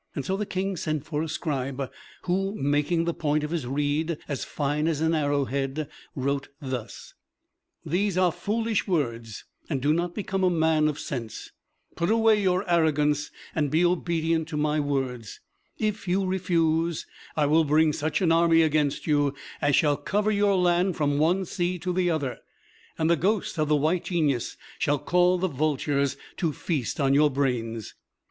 So the King sent for a scribe, who, making the point of his reed as fine as an arrowhead, wrote thus: "These are foolish words, and do not become a man of sense. Put away your arrogance, and be obedient to my words. If you refuse, I will bring such an army against you as shall cover your land from one sea to the other; and the ghost of the White Genius shall call the vultures to feast on your brains."